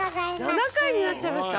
７回になっちゃいました？